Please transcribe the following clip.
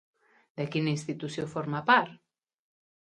De quina institució forma part?